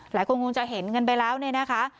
หลายคนคงจะเห็นกันไปแล้วเนี่ยนะคะ